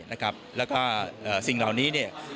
และสิ่งเหล่านี้